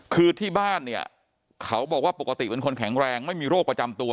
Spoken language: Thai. คือที่บ้านเนี่ยเขาบอกว่าปกติเป็นคนแข็งแรงไม่มีโรคประจำตัว